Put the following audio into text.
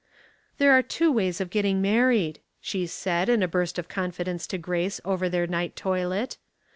" There are two ways of getting married," she said, in a burst of confidence to Grace over their ni<iht toilet.